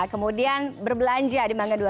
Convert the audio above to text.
kemudian berbelanja di mangga dua